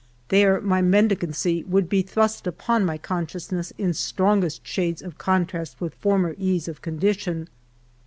There my mendicancy would be thrust upon my conscious ness in strongest shades of contrast with former ease of con dition.